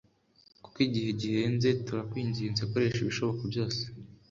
kuko igihe gihenze turakwinginze koresha ibishoboka byose